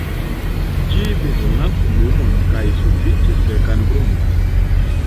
Ĝi bezonas lumon kaj sufiĉe sekan grundon.